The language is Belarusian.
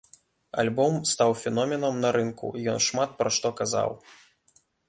Альбом стаў феноменам на рынку, ён шмат пра што казаў.